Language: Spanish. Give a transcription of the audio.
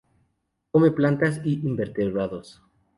Come plantas y invertebrados.